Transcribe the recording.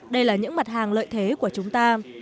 đây là những mặt hàng lợi thế của chúng ta